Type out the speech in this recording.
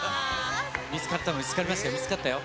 見つかった、見つかりました、見つかりましたよ。